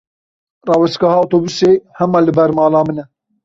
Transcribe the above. Rawestgeha otobûsê hema li ber mala min e.